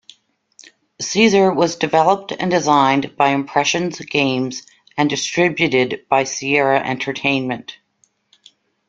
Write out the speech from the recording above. "Caesar" was developed and designed by Impressions Games and distributed by Sierra Entertainment.